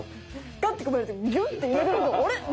ガッてかまれてギュンッてやられるとあれ？